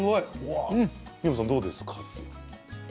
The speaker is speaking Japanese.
三山さん、どうですか？